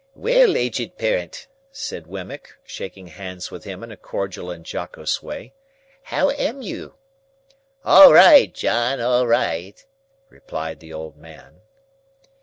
"Well aged parent," said Wemmick, shaking hands with him in a cordial and jocose way, "how am you?" "All right, John; all right!" replied the old man.